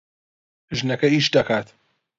ژنەکە ئیش دەکات.